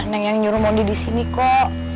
neng yang nyuruh mandi disini kok